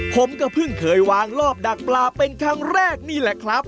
ผมก็เพิ่งเคยวางรอบดักปลาเป็นครั้งแรกนี่แหละครับ